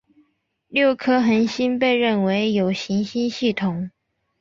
六颗恒星被认为有行星系统。